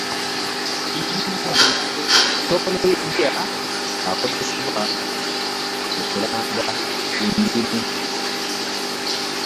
tekinologiya akozesebwa mu kulaanga emirimu.